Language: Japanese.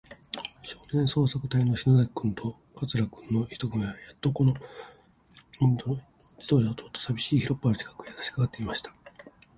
少年捜索隊そうさくたいの篠崎君と桂君の一組は、やっとのこと、インド人の自動車が通ったさびしい広っぱの近くへ、さしかかっていました。